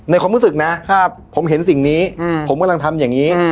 ในความรู้สึกนะครับผมเห็นสิ่งนี้อืมผมกำลังทำอย่างงี้อืม